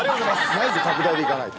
内需拡大でいかないと。